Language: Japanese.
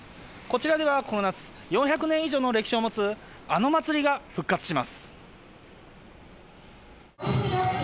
こちらではこの夏、４００年以上の歴史を持つあの祭りが復活します。